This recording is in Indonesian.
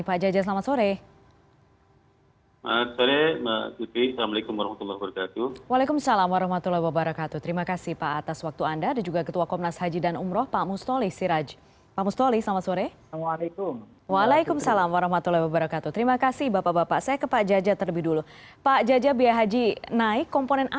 pak jajah selamat sore